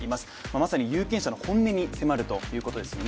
まさに有権者の本音に迫るということですよね。